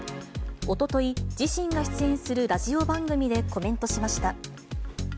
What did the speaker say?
おととい、自身が出演するラジオ番組でコメントしました。